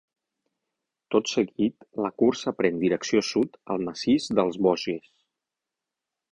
Tot seguit la cursa pren direcció sud, al massís dels Vosges.